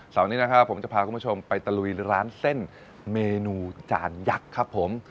นี้นะครับผมจะพาคุณผู้ชมไปตะลุยร้านเส้นเมนูจานยักษ์ครับผม